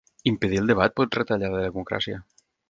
Impedir el debat pot retallar la democràcia